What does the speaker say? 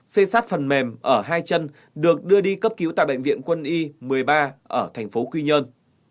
xê sát phần mềm ở hai chân được đưa đi cấp cứu tại bệnh viện quân y một mươi ba ở tp quy nhơn